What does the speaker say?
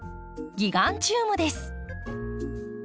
「ギガンチウム」です。